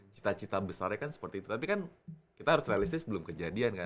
cita cita besarnya kan seperti itu tapi kan kita harus realistis belum kejadian kan